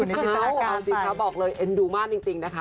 เออเอาซิเขาบอกเลยเอ็นดูมากจริงนะคะ